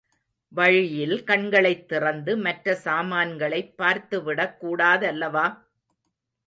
வழியில் கண்களைத் திறந்து மற்ற சாமான்களைப் பார்த்து விடக் கூடா தல்லவா?